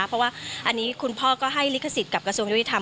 เพราะว่าอันนี้คุณพ่อก็ให้ลิขสิทธิ์กับกระทรวงยุติธรรม